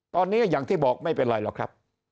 ตอนนี้อย่างที่บอกไม่เป็นไรหรอกครับ